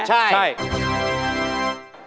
คอนเสิร์ตออกไกน้ทใช่ไหมใช่